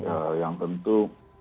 eee yang tentu